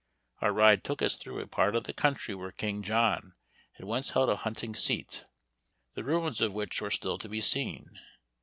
Our ride took us through a part of the country where King John had once held a hunting seat; the ruins of which are still to be seen.